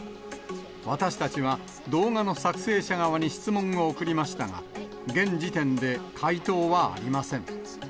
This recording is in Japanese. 私たちは、動画の作成者側に質問を送りましたが、現時点で回答はありません。